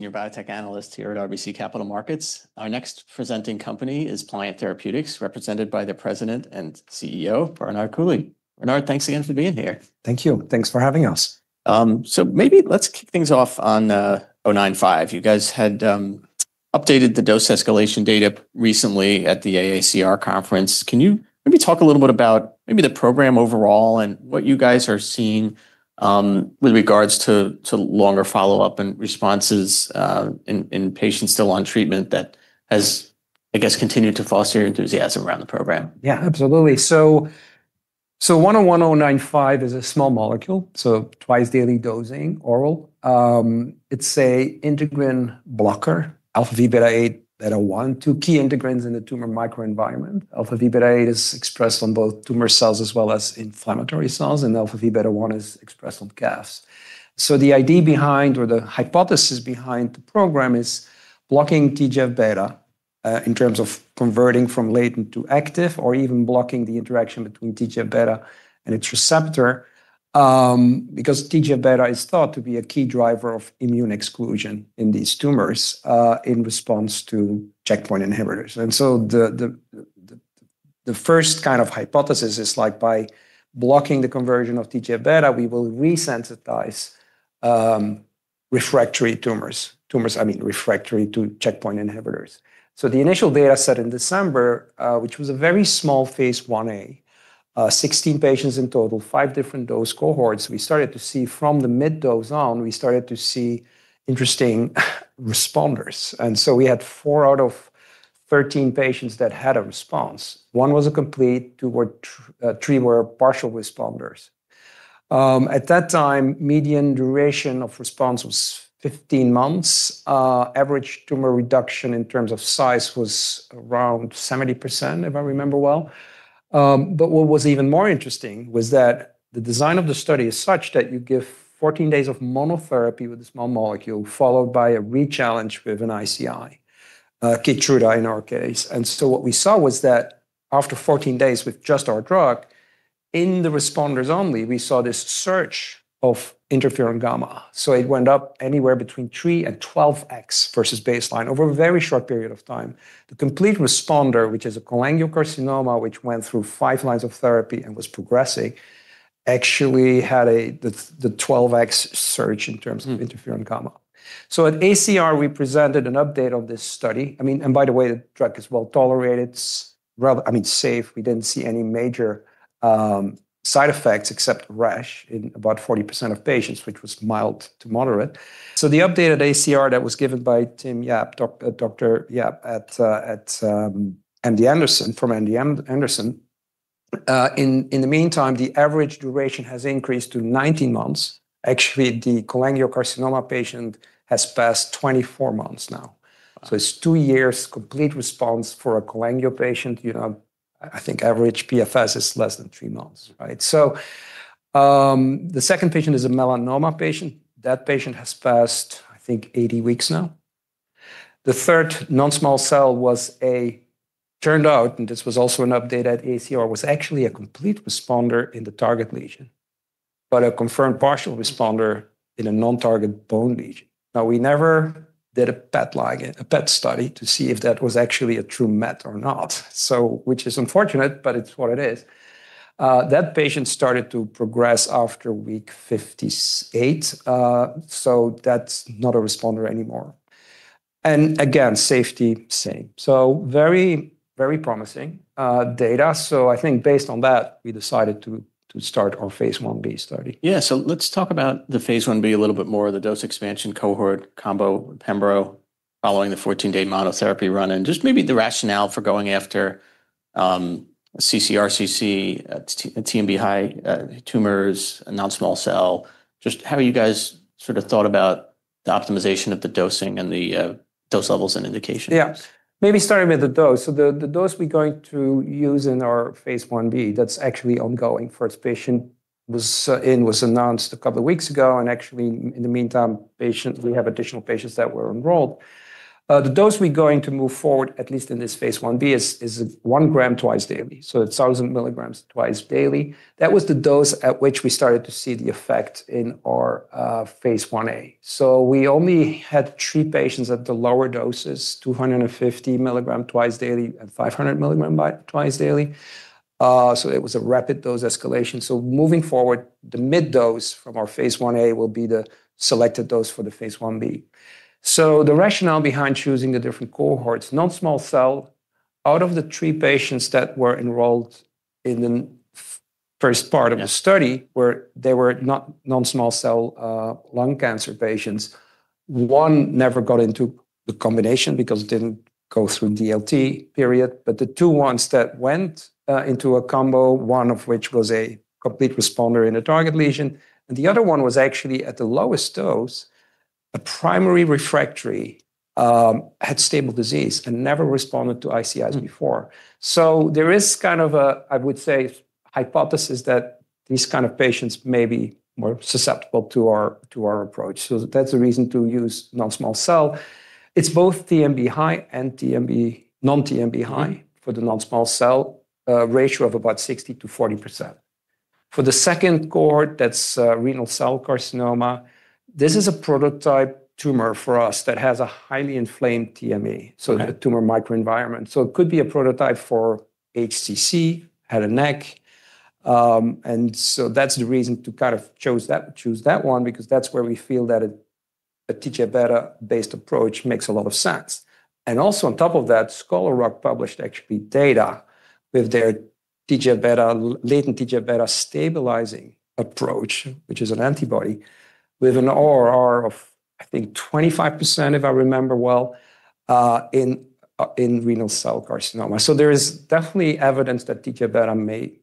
Your biotech analyst here at RBC Capital Markets. Our next presenting company is Pliant Therapeutics, represented by the President and CEO, Bernard Coulie. Bernard, thanks again for being here. Thank you. Thanks for having us. Maybe let's kick things off on 095. You guys had updated the dose escalation data recently at the AACR conference. Can you maybe talk a little bit about maybe the program overall and what you guys are seeing with regards to longer follow-up and responses in patients still on treatment that has, I guess, continued to foster your enthusiasm around the program? Yeah, absolutely. 101095 is a small molecule, twice-daily dosing, oral. It's a integrin blocker, alpha-v beta-8, beta-1, two key integrins in the tumor microenvironment. Alpha-v beta-8 is expressed on both tumor cells as well as inflammatory cells, and alpha-v beta-1 is expressed on CAFs. The idea behind or the hypothesis behind the program is blocking TGF-beta, in terms of converting from latent to active or even blocking the interaction between TGF-beta and its receptor, because TGF-beta is thought to be a key driver of immune exclusion in these tumors, in response to checkpoint inhibitors. The first kind of hypothesis is, like, by blocking the conversion of TGF-beta, we will resensitize refractory tumors. Tumors, I mean, refractory to checkpoint inhibitors. The initial data set in December, which was a very small phase I-A, 16 patients in total, five different dose cohorts. We started to see from the mid dose on, we started to see interesting responders. We had four out of 13 patients that had a response. One was a complete, two were, three were partial responders. At that time, median duration of response was 15 months. Average tumor reduction in terms of size was around 70%, if I remember well. What was even more interesting was that the design of the study is such that you give 14 days of monotherapy with a small molecule, followed by a re-challenge with an ICI, KEYTRUDA in our case. What we saw was that after 14 days with just our drug, in the responders only, we saw this surge of interferon gamma. It went up anywhere between three and 12x versus baseline over a very short period of time. The complete responder, which is a cholangiocarcinoma, which went through five lines of therapy and was progressing, actually had the 12x surge of interferon gamma. At AACR, we presented an update of this study. I mean, by the way, the drug is well-tolerated. It's rather, I mean, safe. We didn't see any major side effects except rash in about 40% of patients, which was mild to moderate. The updated AACR that was given by Tim Yap, Doctor Yap at MD Anderson, from MD Anderson. In the meantime, the average duration has increased to 19 months. Actually, the cholangiocarcinoma patient has passed 24 months now. Wow. It's two years complete response for a cholangio patient. You know, I think average PFS is less than three months, right? The second patient is a melanoma patient. That patient has passed, I think, 80 weeks now. The third non-small cell was a, turned out, and this was also an update at AACR, was actually a complete responder in the target lesion, but a confirmed partial responder in a non-target bone lesion. Now, we never did a PET login, a PET study to see if that was actually a true met or not. Which is unfortunate, but it's what it is. That patient started to progress after week 58, so that's not a responder anymore. And again, safety, same. Very, very promising data. I think based on that, we decided to start our phase I-B study. Let's talk about the phase I-B a little bit more, the dose expansion cohort combo with pembrolizumab following the 14-day monotherapy run, and just maybe the rationale for going after, ccRCC, TMB high, tumors, a non-small cell. Just how you guys sort of thought about the optimization of the dosing and the dose levels and indications. Yeah. Maybe starting with the dose. The dose we're going to use in our phase I-B that's actually ongoing. First patient was announced a couple of weeks ago. In the meantime, we have additional patients that were enrolled. The dose we're going to move forward, at least in this phase I-B, is 1 g twice daily. A 1,000 mg twice daily. That was the dose at which we started to see the effect in our phase I-A. We only had three patients at the lower doses, 250 mg twice daily and 500 mg twice daily. It was a rapid dose escalation. Moving forward, the mid dose from our phase I-A will be the selected dose for the phase I-B. The rationale behind choosing the different cohorts, non-small cell, out of the three patients that were enrolled in the first part. Yeah. Of the study, where they were not non-small cell lung cancer patients, one never got into the combination because it didn't go through DLT period. The two ones that went into a combo, one of which was a complete responder in a target lesion, and the other one was actually at the lowest dose, a primary refractory, had stable disease and never responded to ICIs before. There is kind of a, I would say, hypothesis that these kind of patients may be more susceptible to our approach. That's the reason to use non-small cell. It's both TMB high and TMB, non-TMB high for the non-small cell, ratio of about 60% to 40%. For the second cohort, that's renal cell carcinoma. This is a prototype tumor for us that has a highly inflamed TME. Okay. The tumor microenvironment. It could be a prototype for HCC, head and neck. That's the reason to kind of choose that one, because that's where we feel that a TGF beta based approach makes a lot of sense. On top of that, Scholar Rock published actually data with their TGF beta, latent TGF beta stabilizing approach, which is an antibody with an ORR of, I think, 25%, if I remember well, in renal cell carcinoma. There is definitely evidence that TIGIT beta may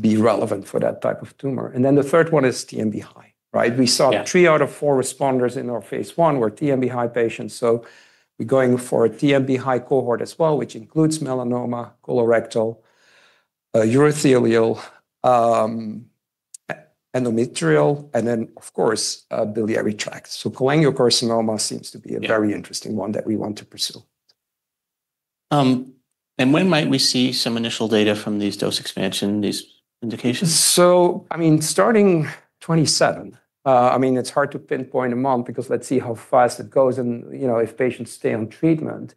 be relevant for that type of tumor. The third one is TMB high, right? Yeah. We saw three out of four responders in our phase I were TMB high patients. We're going for a TMB high cohort as well, which includes melanoma, colorectal, urothelial, endometrial, and of course, biliary tract. Cholangiocarcinoma seems to be. Yeah A very interesting one that we want to pursue. When might we see some initial data from these dose expansion, these indications? I mean, starting 2027. I mean, it's hard to pinpoint a month because let's see how fast it goes and, you know, if patients stay on treatment.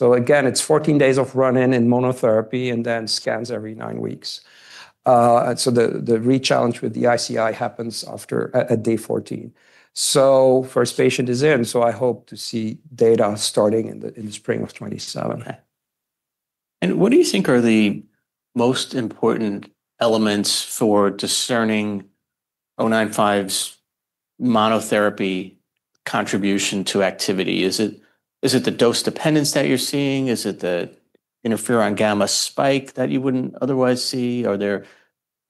Again, it's 14 days of run-in and monotherapy, and then scans every nine weeks. The re-challenge with the ICI happens after, at day 14. First patient is in, so I hope to see data starting in the, in the spring of 2027. What do you think are the most important elements for discerning 095's monotherapy contribution to activity? Is it the dose dependence that you're seeing? Is it the interferon gamma spike that you wouldn't otherwise see? Are there,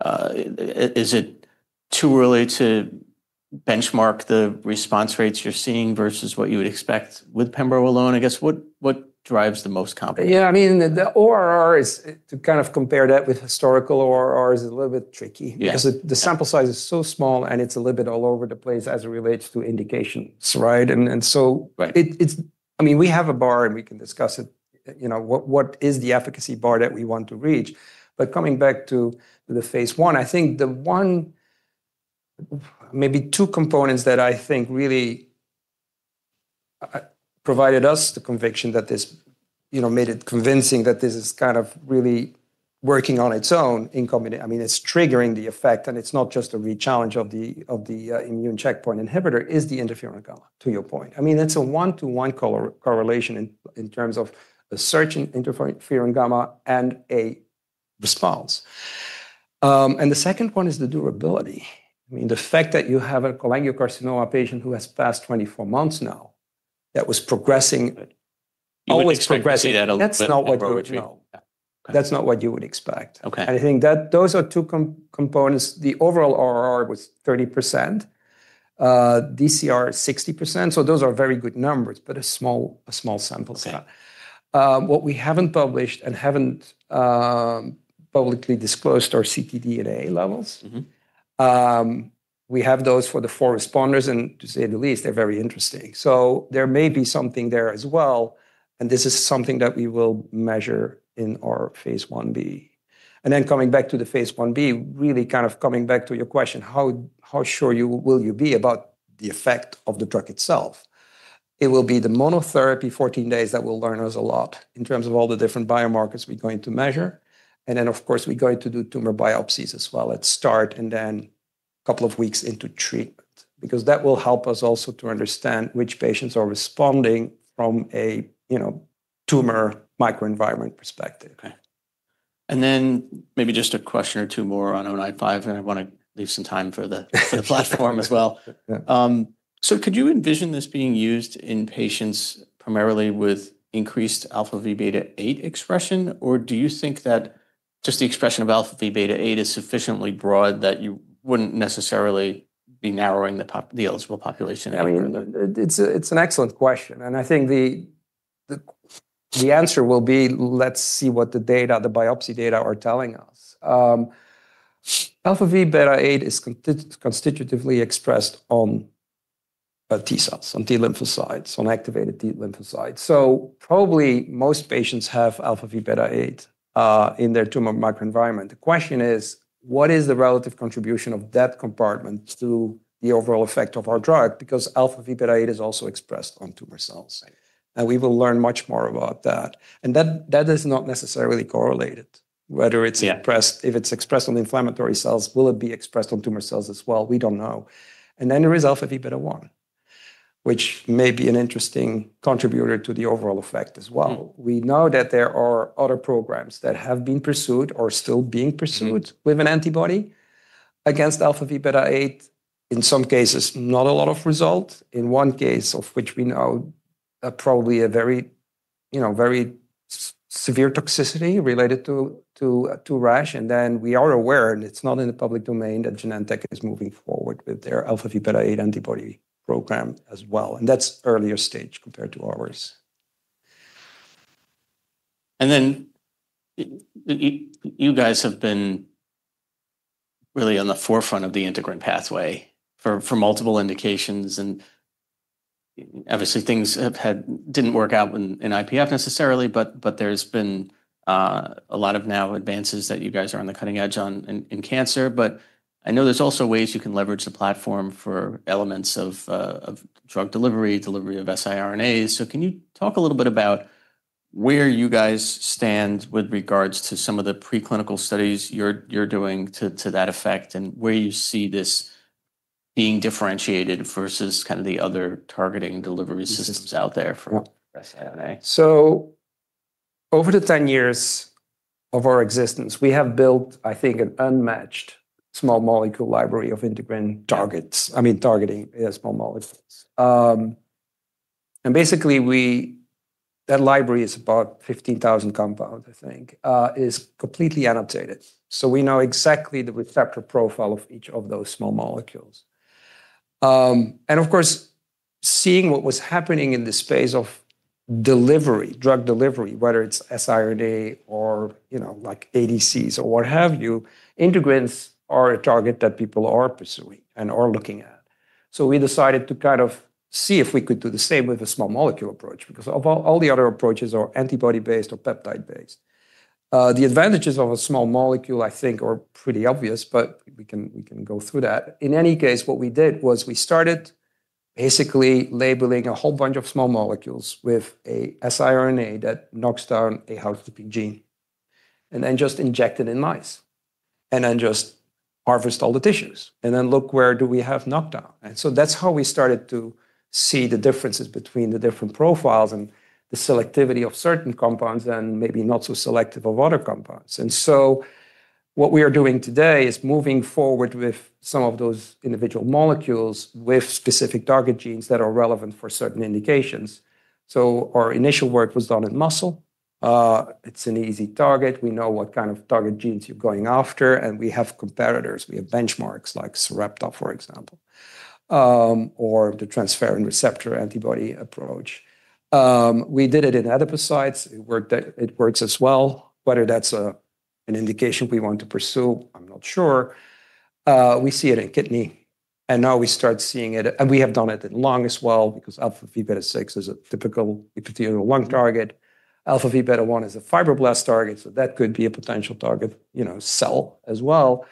is it too early to benchmark the response rates you're seeing versus what you would expect with pembro alone? I guess, would, what drives the most confidence? Yeah, I mean, the ORR is to kind of compare that with historical ORR is a little bit tricky. Yeah. Because the sample size is so small, and it's a little bit all over the place as it relates to indications, right? Right I mean, we have a bar, and we can discuss it. You know, what is the efficacy bar that we want to reach? Coming back to the phase I think the one, maybe two components that I think really provided us the conviction that this, you know, made it convincing that this is kind of really working on its own, I mean, it's triggering the effect, and it's not just a re-challenge of the immune checkpoint inhibitor, is the interferon gamma, to your point. I mean, that's a one-to-one correlation in terms of a surge in interferon gamma and a response. The second one is the durability. I mean, the fact that you have a cholangiocarcinoma patient who has passed 24 months now that was progressing- Good Always progressing. That's not what, no. Yeah. Okay. That's not what you would expect. Okay. I think that those are two components. The overall ORR was 30%. DCR, 60%. Those are very good numbers, but a small sample set. Yeah. What we haven't published and haven't publicly disclosed are ctDNA levels. We have those for the four responders, and to say the least, they're very interesting. There may be something there as well, and this is something that we will measure in our phase I-B. Coming back to the phase I-B, coming back to your question, how sure you will you be about the effect of the drug itself? It will be the monotherapy 14 days that will learn us a lot in terms of all the different biomarkers we're going to measure. Of course, we're going to do tumor biopsies as well at start and then couple of weeks into treatment, because that will help us also to understand which patients are responding from a, you know, tumor microenvironment perspective. Okay. Then maybe just a question or two more on 095, and I want to leave some time for the platform as well. Yeah. Could you envision this being used in patients primarily with increased alpha-v beta-8 expression? Or do you think that just the expression of alpha-v beta-8 is sufficiently broad that you wouldn't necessarily be narrowing the eligible population anymore in the I mean, it's an excellent question. I think the answer will be, let's see what the data, the biopsy data are telling us. Alpha-v beta-8 is constitutively expressed on T cells, on T lymphocytes, on activated T lymphocytes. Probably most patients have alpha-v beta-8 in their tumor microenvironment. The question is, what is the relative contribution of that compartment to the overall effect of our drug? Alpha-v beta-8 is also expressed on tumor cells. Right. We will learn much more about that. That is not necessarily correlated. Yeah If it's expressed on inflammatory cells, will it be expressed on tumor cells as well? We don't know. There is alpha-v beta-1, which may be an interesting contributor to the overall effect as well. We know that there are other programs that have been pursued or still being pursued with an antibody against alpha-v beta-8. In some cases, not a lot of result. In one case, of which we know, probably a very, you know, very severe toxicity related to rash. Then we are aware, and it's not in the public domain, that Genentech is moving forward with their alpha-v beta-8 antibody program as well, and that's earlier stage compared to ours. You guys have been really on the forefront of the integrin pathway for multiple indications. Obviously, things didn't work out in IPF necessarily, but there's been a lot of now advances that you guys are on the cutting edge on in cancer. I know there's also ways you can leverage the platform for elements of drug delivery of siRNAs. Can you talk a little bit about where you guys stand with regards to some of the preclinical studies you're doing to that effect and where you see this being differentiated versus kind of the other targeting delivery systems out there for siRNA? Over the 10 years of our existence, we have built, I think, an unmatched small molecule library of integrin targets. I mean, targeting, small molecules. Basically, that library is about 15,000 compounds, I think, is completely annotated, so we know exactly the receptor profile of each of those small molecules. Of course, seeing what was happening in the space of delivery, drug delivery, whether it's siRNA or, you know, like ADCs or what have you, integrins are a target that people are pursuing and are looking at. We decided to kind of see if we could do the same with a small molecule approach, because all the other approaches are antibody-based or peptide-based. The advantages of a small molecule, I think, are pretty obvious, but we can go through that. In any case, what we did was we started basically labeling a whole bunch of small molecules with a siRNA that knocks down a healthy gene, and then just inject it in mice, and then just harvest all the tissues, and then look where do we have knockdown. That's how we started to see the differences between the different profiles and the selectivity of certain compounds and maybe not so selective of other compounds. What we are doing today is moving forward with some of those individual molecules with specific target genes that are relevant for certain indications. Our initial work was done in muscle. It's an easy target. We know what kind of target genes you're going after, and we have comparators. We have benchmarks like Sarepta, for example, or the transferrin receptor antibody approach. We did it in adipocytes. It works as well. Whether that's an indication we want to pursue, I'm not sure. We see it in kidney, and now we start seeing it. We have done it in lung as well because alpha-v beta-6 is a typical epithelial lung target. Alpha-v beta-1 is a fibroblast target, so that could be a potential target, you know, cell as well.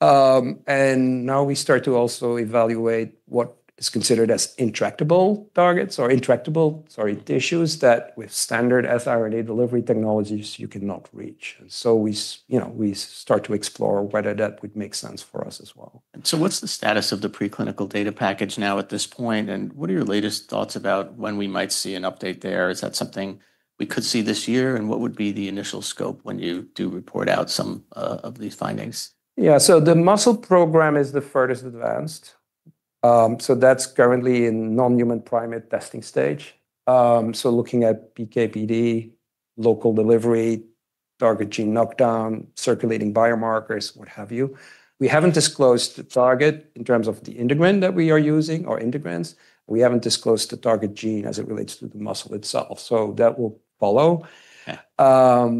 Now we start to also evaluate what is considered as intractable targets or intractable, sorry, tissues that with standard siRNA delivery technologies you cannot reach. We start to explore whether that would make sense for us as well. What's the status of the preclinical data package now at this point, and what are your latest thoughts about when we might see an update there? Is that something we could see this year, and what would be the initial scope when you do report out some of these findings? Yeah. The muscle program is the furthest advanced. That's currently in non-human primate testing stage. Looking at PK/PD, local delivery, target gene knockdown, circulating biomarkers, what have you. We haven't disclosed the target in terms of the integrin that we are using or integrins. We haven't disclosed the target gene as it relates to the muscle itself. That will follow. Yeah.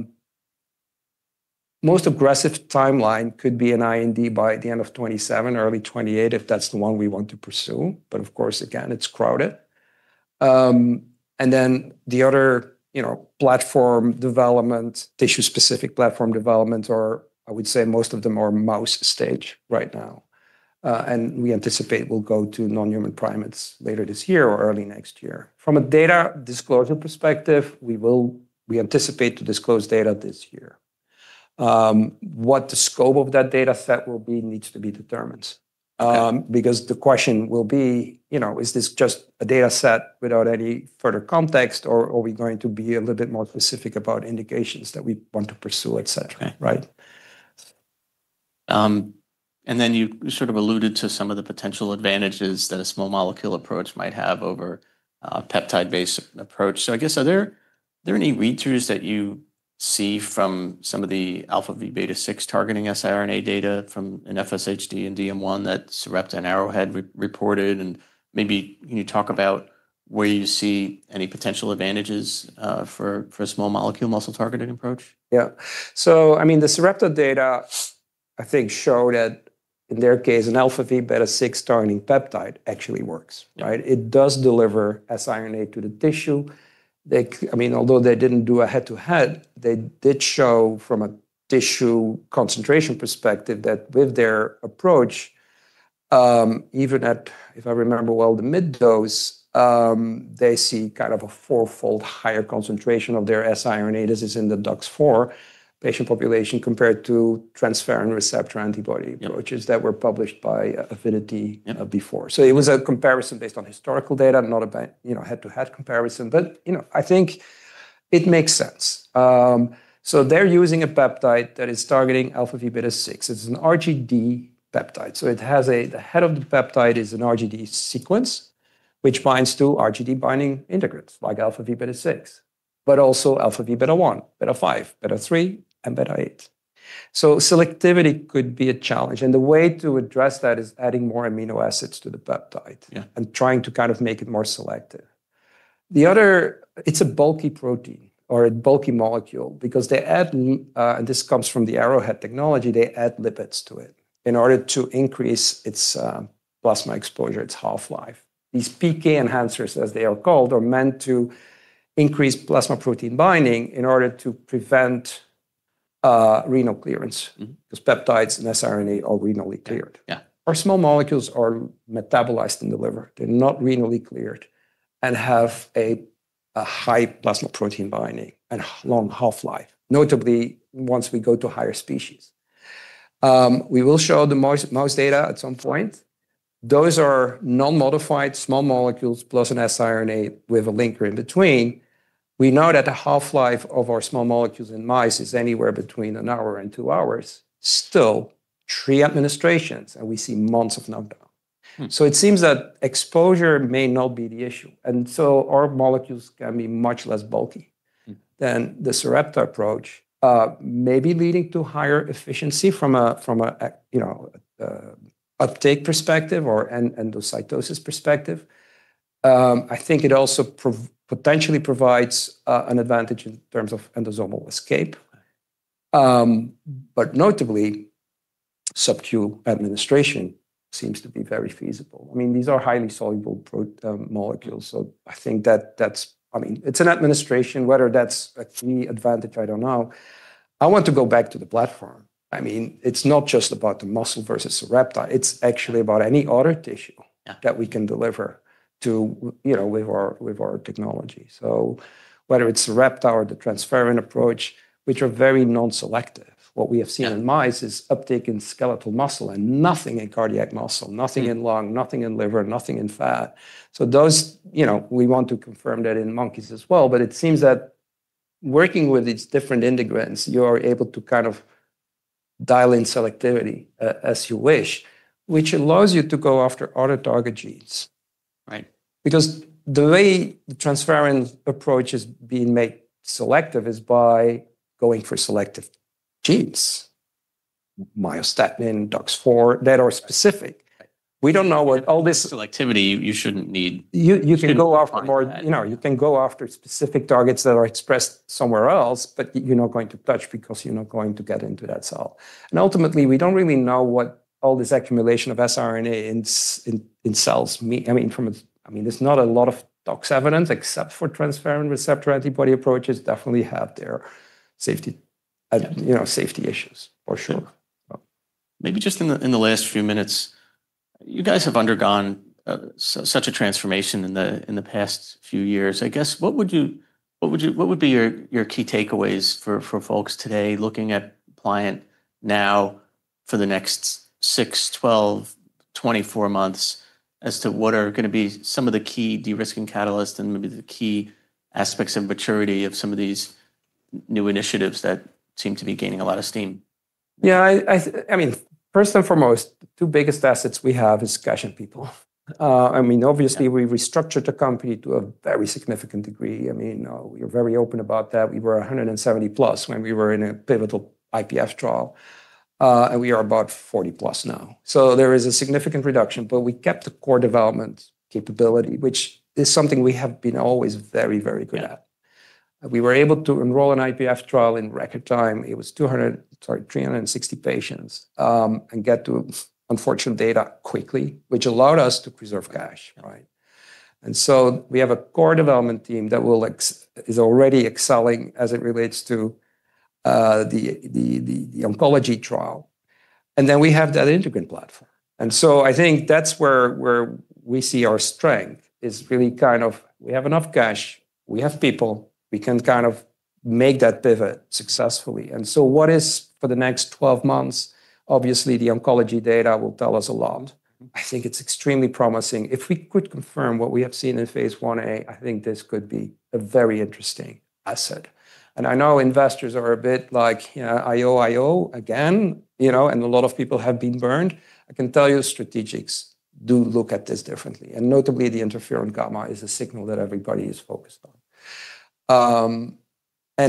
Most aggressive timeline could be an IND by the end of 2027, early 2028, if that's the one we want to pursue. Of course, again, it's crowded. The other, you know, platform development, tissue-specific platform development, or I would say most of them are mouse stage right now. We anticipate we'll go to non-human primates later this year or early next year. From a data disclosure perspective, we anticipate to disclose data this year. What the scope of that data set will be needs to be determined. Okay. Because the question will be, you know, is this just a data set without any further context, or are we going to be a little bit more specific about indications that we want to pursue, et cetera. Okay. Right? You sort of alluded to some of the potential advantages that a small molecule approach might have over a peptide-based approach. I guess, are there any read-throughs that you see from some of the alpha-v beta-6 targeting siRNA data from an FSHD and DM1 that Sarepta and Arrowhead re-reported? Maybe can you talk about where you see any potential advantages for a small molecule muscle targeting approach? Yeah. I mean, the Sarepta data, I think, show that in their case, an alpha-v beta-6 targeting peptide actually works, right? It does deliver siRNA to the tissue. I mean, although they didn't do a head-to-head, they did show from a tissue concentration perspective that with their approach, even at, if I remember well, the mid dose, they see kind of a four-fold higher concentration of their siRNA. This is in the DUX4 patient population, compared to transferrin receptor antibody approaches that were published by Avidity before. It was a comparison based on historical data, not a, you know, head-to-head comparison. You know, I think it makes sense. They're using a peptide that is targeting alpha-v beta-6. It's an RGD peptide. The head of the peptide is an RGD sequence, which binds to RGD binding integrins like alpha-v beta-6, but also alpha-v beta-1, beta-5, beta-3, and beta-8. Selectivity could be a challenge, the way to address that is adding more amino acids to the peptide. Yeah And trying to kind of make it more selective. The other, it's a bulky protein or a bulky molecule because they add this comes from the Arrowhead technology, they add lipids to it in order to increase its plasma exposure, its half-life. These PK enhancers, as they are called, are meant to increase plasma protein binding in order to prevent renal clearance. Peptides and siRNA are renally cleared. Yeah. Our small molecules are metabolized in the liver. They're not renally cleared and have a high plasma protein binding and long half-life, notably once we go to higher species. We will show the mouse data at some point. Those are non-modified small molecules plus an siRNA with a linker in between. We know that the half-life of our small molecules in mice is anywhere between an hour and two hours. Still, three administrations, and we see months of knockdown. It seems that exposure may not be the issue, and so our molecules can be much less bulky. than the Sarepta approach, maybe leading to higher efficiency from a, you know, uptake perspective or an endocytosis perspective. I think it also potentially provides an advantage in terms of endosomal escape. Notably, subcu administration seems to be very feasible. I mean, these are highly soluble molecules, so I think that's I mean, it's an administration, whether that's a key advantage, I don't know. I want to go back to the platform. I mean, it's not just about the muscle versus Sarepta. It's actually about any other tissue- Yeah That we can deliver to, you know, with our, with our technology. Whether it's Sarepta or the transferrin approach, which are very non-selective. What we have seen in mice is uptake in skeletal muscle and nothing in cardiac muscle, nothing in lung, nothing in liver, nothing in fat. Those, you know, we want to confirm that in monkeys as well. It seems that working with these different integrins, you are able to kind of dial in selectivity as you wish, which allows you to go after other target genes. Right. The way the transferrin approach is being made selective is by going for selective genes, myostatin, DUX4, that are specific. Right. We don't know what all this. Selectivity you shouldn't need. You can go after more. Shouldn't require that. You know, you can go after specific targets that are expressed somewhere else, you're not going to touch because you're not going to get into that cell. Ultimately, we don't really know what all this accumulation of siRNA in cells I mean, from a, there's not a lot of tox evidence except for transferrin receptor antibody approaches definitely have their safety, you know, safety issues, for sure. Maybe just in the last few minutes, you guys have undergone such a transformation in the past few years. I guess, what would you, what would be your key takeaways for folks today looking at Pliant now for the next six, 12, 24 months as to what are going to be some of the key de-risking catalysts and maybe the key aspects of maturity of some of these new initiatives that seem to be gaining a lot of steam? Yeah. I mean, first and foremost, two biggest assets we have is cash and people. I mean, obviously- Yeah We restructured the company to a very significant degree. I mean, we're very open about that. We were 170+ when we were in a pivotal IPF trial. We are about 40+ now. There is a significant reduction, but we kept the core development capability, which is something we have been always very, very good at. Yeah. We were able to enroll an IPF trial in record time. It was 200, sorry, 360 patients, and get to unfortunate data quickly, which allowed us to preserve cash. Right. Right? And so we have a core development team that will is already excelling as it relates to the, the oncology trial, and then we have that integrin platform. I think that's where we see our strength is really kind of we have enough cash, we have people, we can kind of make that pivot successfully. What is for the next 12 months, obviously, the oncology data will tell us a lot. I think it's extremely promising. If we could confirm what we have seen in phase I-A, I think this could be a very interesting asset. I know investors are a bit like, you know, IO again, you know, and a lot of people have been burned. I can tell you strategics do look at this differently. Notably, the interferon gamma is a signal that everybody is focused on.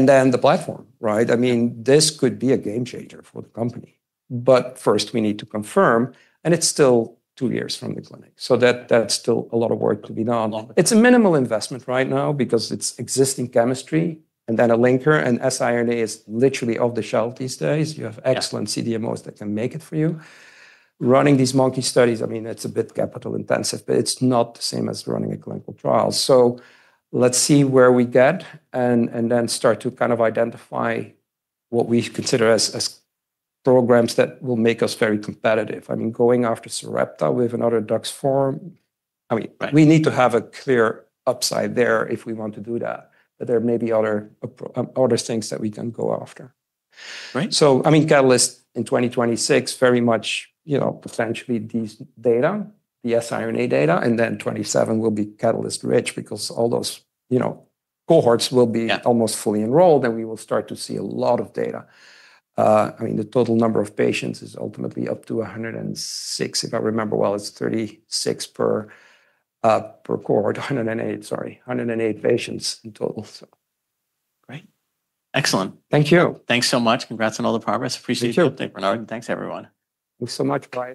The platform, right? I mean, this could be a game changer for the company. First, we need to confirm, and it's still two years from the clinic. That's still a lot of work to be done. Long way. It's a minimal investment right now because it's existing chemistry and then a linker, and siRNA is literally off the shelf these days. Yeah. You have excellent CDMOs that can make it for you. Running these monkey studies, I mean, it's a bit capital intensive, but it's not the same as running a clinical trial. Let's see where we get and then start to kind of identify what we consider as programs that will make us very competitive. I mean, going after Sarepta with another DUX4. Right We need to have a clear upside there if we want to do that. There may be other other things that we can go after. Right. I mean, catalyst in 2026, very much, you know, potentially these data, the siRNA data, and then 2027 will be catalyst rich because all those, you know, cohorts will be. Yeah Almost fully enrolled, and we will start to see a lot of data. I mean, the total number of patients is ultimately up to 106, if I remember well. It's 36 per cohort. 108, sorry. 108 patients in total. Great. Excellent. Thank you. Thanks so much. Congrats on all the progress. Appreciate you. Thanks, Bernard. Thanks, everyone. Thanks so much, Brian.